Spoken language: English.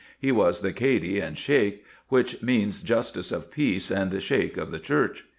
He was the Cady and Shiek, which means justice of peace and Sheik of the church.